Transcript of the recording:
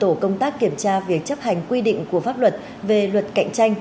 vừa lập tổ công tác kiểm tra việc chấp hành quy định của pháp luật về luật cạnh tranh